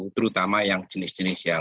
terutama jenis jenis yang